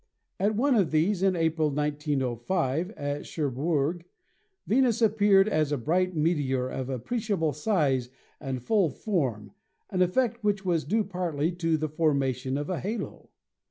At one of these, in April, 1905, at Cherbourg, Venus appeared as a bright meteor of appreciable size and full form, an effect which was due partly to the formation of a halo.